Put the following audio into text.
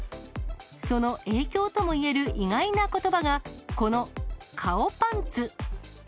その影響ともいえる意外なことばが、この顔パンツ。